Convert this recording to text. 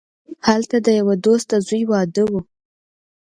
هلته د یوه دوست د زوی واده وو.